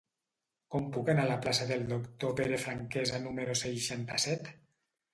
Com puc anar a la plaça del Doctor Pere Franquesa número seixanta-set?